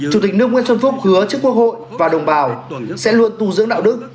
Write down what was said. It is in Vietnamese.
chủ tịch nước nguyễn xuân phúc hứa chức quốc hội và đồng bào sẽ luôn tù dưỡng đạo đức